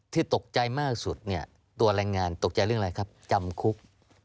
ที่ตกใจมากสุดเนี่ยตัวแรงงานตกใจเรื่องอะไรครับจำคุก